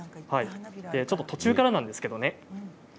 ちょっと途中からなんですけどね。